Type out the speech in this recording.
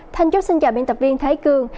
thành chúc xin chào biên tập viên thái cương